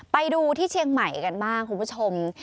ไปดูที่เชียงใหม่กันบ้างคุณผู้ชม